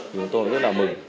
chúng tôi rất là mừng